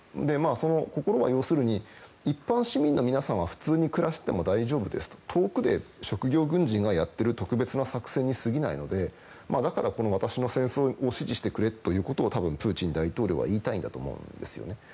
その心は要するに一般市民の皆さんは普通に暮らしてても大丈夫ですと遠くで職業軍人がやってる特別な作戦に過ぎないのでだから私の戦争を支持してくれということを多分、プーチン大統領は言いたいんだと思うんですよね。